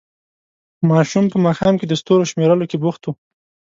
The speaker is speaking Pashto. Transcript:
ماشوم په ماښام کې د ستورو شمېرلو کې بوخت وو.